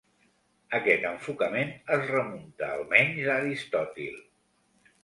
Aquest enfocament es remunta almenys a Aristòtil.